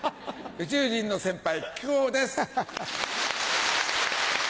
宇宙人の先輩木久扇です！